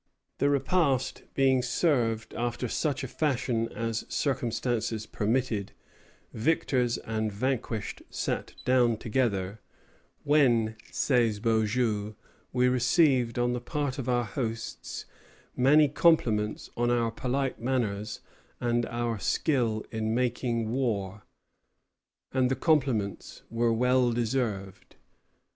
The repast being served after such a fashion as circumstances permitted, victors and vanquished sat down together; when, says Beaujeu, "we received on the part of our hosts many compliments on our polite manners and our skill in making war." And the compliments were well deserved.